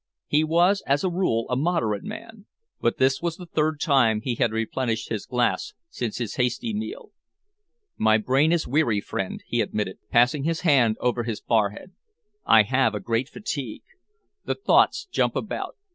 He was, as a rule, a moderate man, but this was the third time he had replenished his glass since his hasty meal. "My brain is weary, friend," he admitted, passing his hand over his forehead. "I have a great fatigue. The thoughts jump about.